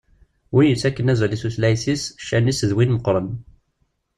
Win yettakken azal i tutlayt-is, ccan-is d win meqqren.